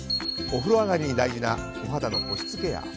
お風呂上がりに大事なお肌の保湿ケア。